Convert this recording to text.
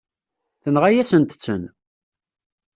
Tenɣa-yasent-ten.